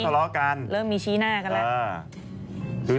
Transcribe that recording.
เริ่มมีชี้หน้ากันแหละ